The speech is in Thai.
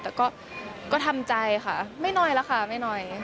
แต่ก็ทำใจค่ะไม่น้อยแล้วค่ะไม่น้อย